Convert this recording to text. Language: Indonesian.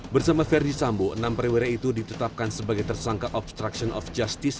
bersama ferdi sambo enam perwira itu ditetapkan sebagai tersangka obstruction of justice